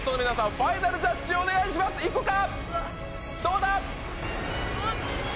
ファイナルジャッジをお願いしますいくか！？